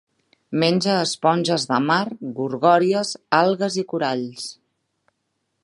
Menja esponges de mar, gorgònies, algues i coralls.